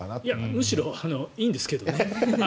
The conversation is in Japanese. むしろいいんですけどね。